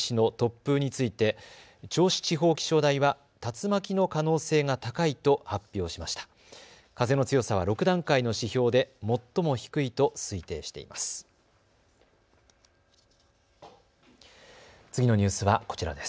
風の強さは６段階の指標で最も低いと推定しています。